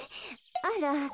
あら。